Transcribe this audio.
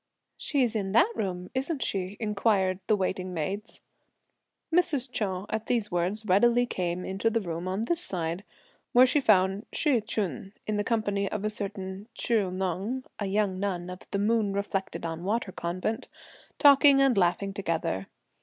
"She's in that room, isn't she?" inquired the waiting maids. Mrs. Chou at these words readily came into the room on this side, where she found Hsi Ch'un, in company with a certain Chih Neng, a young nun of the "moon reflected on water" convent, talking and laughing together.